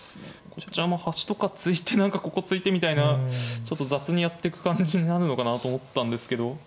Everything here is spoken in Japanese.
こちらも端とか突いて何かここ突いてみたいなちょっと雑にやってく感じになるのかなと思ったんですけど。